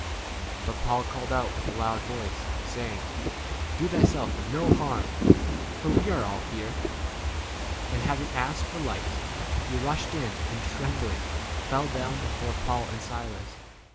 But Paul called out with a loud voice, saying, Do thyself no harm, for we 29 are all here. And having asked for lights, he rushed in, and, trembling, fell down before Paul 30 and Silas.